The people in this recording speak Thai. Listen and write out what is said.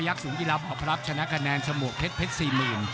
ยักษ์สูงที่รับอบรับชนะคะแนนชมวกเพชรเพชร๔๐